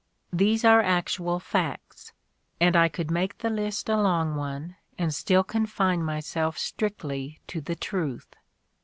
These are actual facts, and I could make the list a long one and still confine myself strictly to the truth.